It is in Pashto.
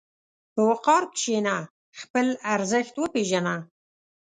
په وقار کښېنه، خپل ارزښت وپېژنه.